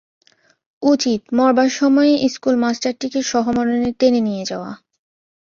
উচিত, মরবার সময়ে ইস্কুল-মাস্টারটিকে সহমরণে টেনে নিয়ে যাওয়া।